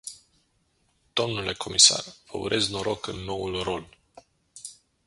Dle comisar, vă urez noroc în noul rol.